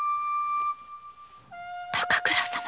高倉様が！？